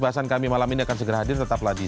bahasan kami malam ini akan segera hadir tetaplah di